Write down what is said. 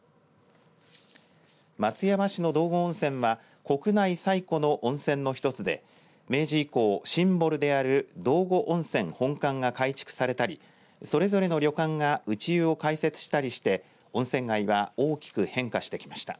松山市の道後温泉は国内最古の温泉の１つで明治以降、シンボルである道後温泉本館が改築されたり、それぞれの旅館が内湯を開設したりして温泉街は大きく変化してきました。